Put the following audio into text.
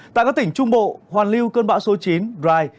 tại các tỉnh trung bộ hoàn lưu cơn bão số chín brai